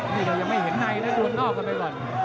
นี่เรายังไม่เห็นในนะดวนนอกกันไปก่อน